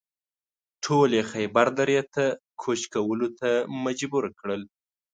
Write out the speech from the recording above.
ټول یې خیبر درې ته کوچ کولو ته مجبور کړل.